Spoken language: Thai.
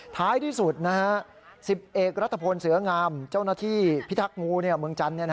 ท้ายที่สุด๑๐เอกรัฐพลเสืองามเจ้าหน้าที่พิทักษ์งูเมืองจันทร์